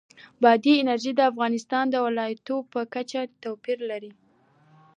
بادي انرژي د افغانستان د ولایاتو په کچه توپیر لري.